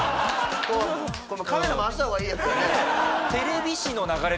これカメラ回した方がいいやつだよね。